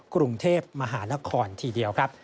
กรุงเทพมหานครทีเดียวครับ